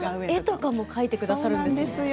絵とかも描いてくださるんですね。